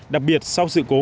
đặc biệt sau sự cố môi trường